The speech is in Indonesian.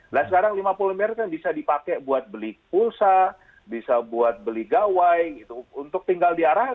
nah sekarang lima puluh miliar kan bisa dipakai buat beli pulsa bisa buat beli gawai gitu untuk tinggal diarahkan